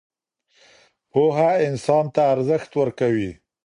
پوهه انسان ته ارزښت ورکوي.